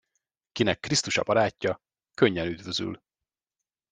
Kinek Krisztus a barátja, könnyen üdvözül.